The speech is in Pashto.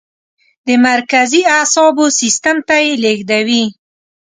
د مرکزي اعصابو سیستم ته یې لیږدوي.